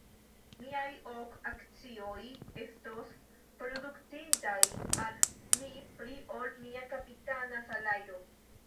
Miaj ok akcioj estos produktintaj al mi pli ol mia kapitana salajro.